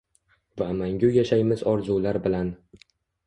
Va mangu yashaymiz orzular bilan